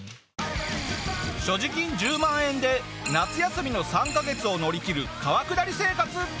所持金１０万円で夏休みの３カ月を乗り切る川下り生活。